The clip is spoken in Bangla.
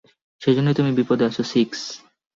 সেজন্যই তুমি বিপদে আছো, সিক্স।